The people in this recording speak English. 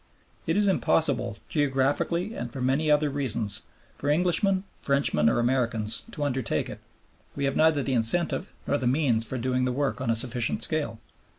It is impossible geographically and for many other reasons for Englishmen, Frenchmen, or Americans to undertake it; we have neither the incentive nor the means for doing the work on a sufficient scale.